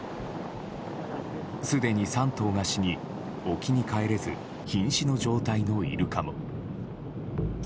すでに３頭が死に沖に帰れず瀕死の状態のイルカも。